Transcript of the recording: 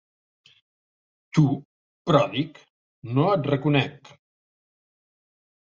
Tu, pròdig?: no et reconec.